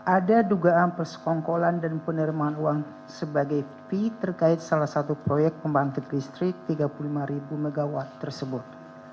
ada dugaan persekongkolan dan penerimaan uang sebagai fee terkait salah satu proyek pembangkit listrik tiga puluh lima mw tersebut